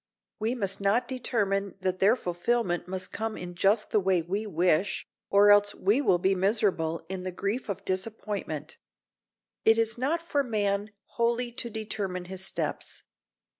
We must not determine that their fulfillment must come in just the way we wish, or else we will be miserable in the grief of disappointment. It is not for man wholly to determine his steps.